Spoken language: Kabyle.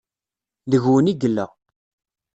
Deg-wen i yella.